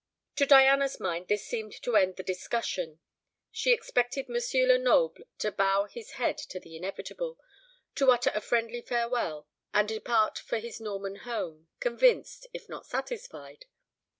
To Diana's mind this seemed the end of the discussion. She expected M. Lenoble to bow his head to the inevitable, to utter a friendly farewell, and depart for his Norman home, convinced, if not satisfied.